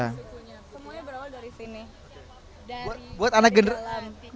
siapapun dari mana pun sukunya semuanya berawal dari sini